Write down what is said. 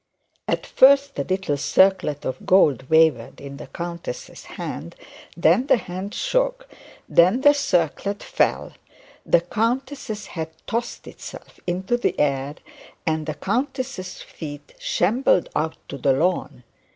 At first the little circlet of gold wavered in the countess's hand, then the hand shook, then the circlet fell, the countess's head tossed itself into the air, and the countess's feet shambled out to the lawn.